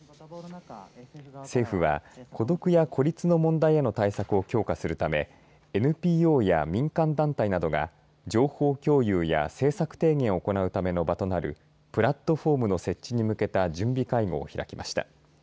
政府は孤独や孤立の問題への対策を強化するためＮＰＯや民間団体などが情報共有や政策提言を行うための場となるプラットホームの設置に向けた準備会合を開きました。